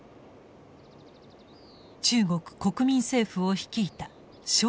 中国国民政府を率いた介石。